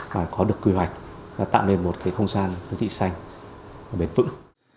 mà có được kỳ hoạch tạo nên một không gian đồ thị xanh bền vững